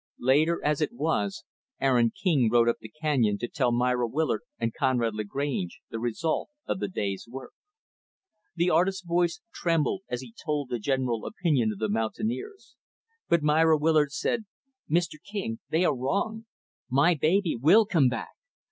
Late as it was, Aaron King rode up the canyon to tell Myra Willard and Conrad Lagrange the result of the day's work. The artist's voice trembled as he told the general opinion of the mountaineers; but Myra Willard said, "Mr. King, they are wrong. My baby will come back.